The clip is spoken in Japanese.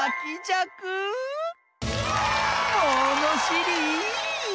ものしり！